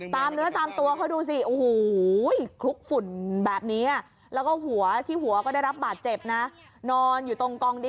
คือไปคลุกฝุ่นอยู่ตรงนี้